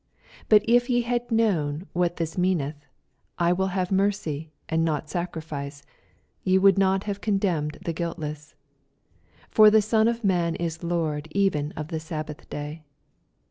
7 But if ye had known what thU meaneth, I wU have meroy, and not sacrifice, ^e would not have condemn ed the guiltless. 8 For the Son of man is Lord even of the sabbath day.